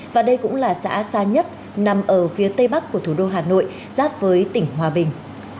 và đây cũng là xã xa nhất nằm ở phía tây bắc của thủ đô hà nội giáp với tỉnh hòa bình